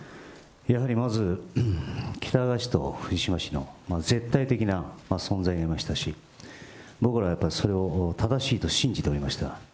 やはりまず、喜多川氏と藤島氏の絶対的な存在がありましたし、僕らやっぱりそれを正しいと信じておりました。